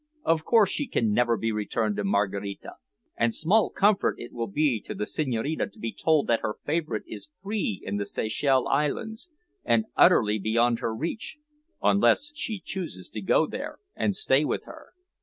Of course she can never be returned to Maraquita, and small comfort it will be to the Senhorina to be told that her favourite is free in the Seychelles Islands, and utterly beyond her reach, unless she chooses to go there and stay with her."